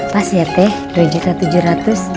pas ya teh dua tujuh juta